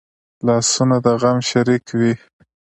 لاسونه د غم شریک وي